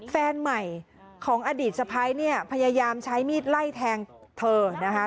แฟนใหม่ของอดีตสะพ้ายเนี่ยพยายามใช้มีดไล่แทงเธอนะคะ